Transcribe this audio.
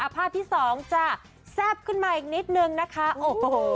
ภาพที่สองจะแซ่บขึ้นมาอีกนิดนึงนะคะโอ้โห